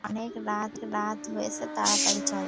অনেক রাত হয়েছে, তাড়াতাড়ি চল।